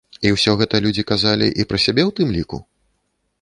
І ўсё гэта людзі казалі і пра сябе ў тым ліку?